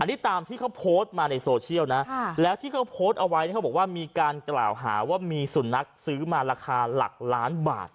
อันนี้ตามที่เขาโพสต์มาในโซเชียลนะแล้วที่เขาโพสต์เอาไว้เขาบอกว่ามีการกล่าวหาว่ามีสุนัขซื้อมาราคาหลักล้านบาท